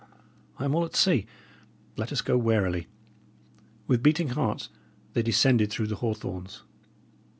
"I am all at sea. Let us go warily." With beating hearts, they descended through the hawthorns.